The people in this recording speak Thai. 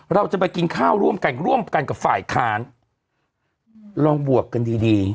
เราจะกินข้าวร่วมกันกับฝ่ายค้านลองบวกกันดี